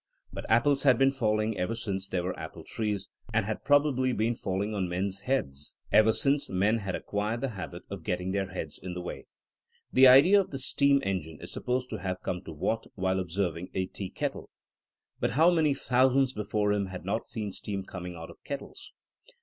But apples had been falling ever since there were apple trees, and had probably been falling on men's heads THINEINO AS A 80IEN0E 97 ever since men had acquired the habit of getting their heads in the way. The idea of the steam engine is supposed to have come to Watt while observing a tea kettle. But how many thou sands before him had not seen steam coming out of kettles?